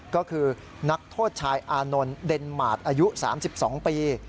ก็คือนักโทษชายอานนท์เดนมาร์ทอายุ๓๒ปี